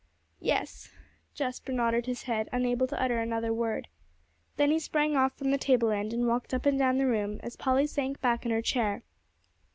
"Yes." Jasper nodded his head, unable to utter another word. Then he sprang off from the table end, and walked up and down the room, as Polly sank back in her chair.